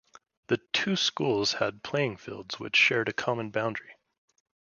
The two schools had playing fields which shared a common boundary.